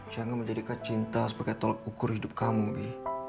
jangan menjadi kecinta sebagai tolak ukur hidup kamu bi